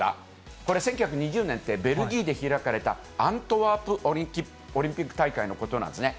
これ、１９２０年って、ベルギーで開かれた、アントワープオリンピック大会のことなんですね。